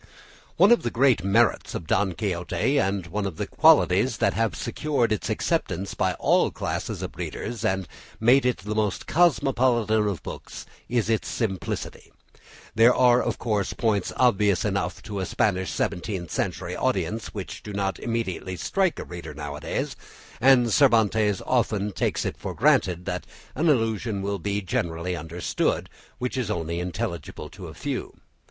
One of the great merits of "Don Quixote," and one of the qualities that have secured its acceptance by all classes of readers and made it the most cosmopolitan of books, is its simplicity. There are, of course, points obvious enough to a Spanish seventeenth century audience which do not immediately strike a reader now a days, and Cervantes often takes it for granted that an allusion will be generally understood which is only intelligible to a few.